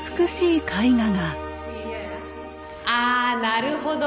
あなるほど！